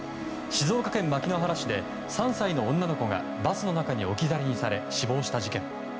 静岡県牧之原市で３歳の女の子がバスの中に置き去りにされ死亡した事件。